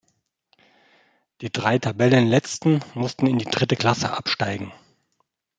Die drei Tabellenletzten mussten in die dritte Klasse absteigen.